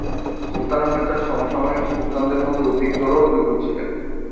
সুলতান আহমেদ তার সমসাময়িক সুলতানদের মধ্যে অধিকতর যোগ্য ছিলেন।